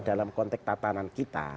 dalam konteks tatanan kita